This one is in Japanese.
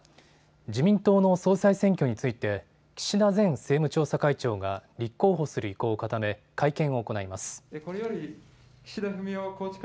自民党の総裁選挙について、岸田前政務調査会長が立候補する意向を固め、会見を行います。